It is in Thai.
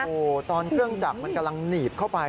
โอ้โหตอนเครื่องจักรมันกำลังหนีบเข้าไป